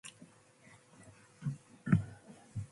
baded neta bëdic